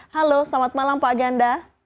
halo selamat malam pak ganda